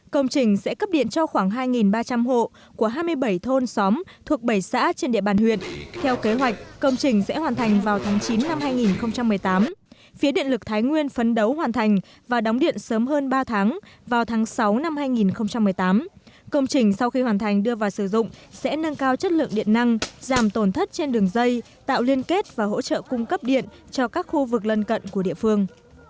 công trình sẽ cấp điện cho khoảng hai ba trăm linh hộ của hai mươi bảy thôn xóm thuộc bảy xã trên địa bàn huyện theo kế hoạch công trình sẽ hoàn thành vào tháng chín năm hai nghìn một mươi tám phía điện lực thái nguyên phấn đấu hoàn thành và đóng điện sớm hơn ba tháng vào tháng sáu năm hai nghìn một mươi tám công trình sau khi hoàn thành đưa vào sử dụng sẽ nâng cao chất lượng điện năng giảm tổn thất trên đường dây tạo liên kết và hỗ trợ cung cấp điện cho các khu vực lân cận của địa phương